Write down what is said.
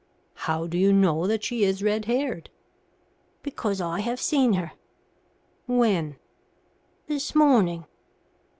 "How do you know that she is red haired?" "Because I have seen her." "When?" "This morning."